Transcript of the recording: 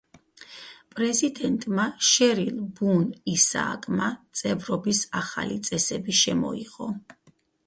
პრეზიდენტმა შერილ ბუნ-ისააკმა წევრობის ახალი წესები შემოიღო.